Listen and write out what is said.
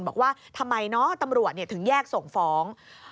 บอกว่าทำไมเนาะตำรวจถึงแยกส่งฟ้อง